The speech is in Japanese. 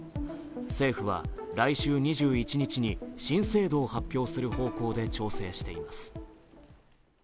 政府は来週２１日に新制度を発表する方向で調整しています。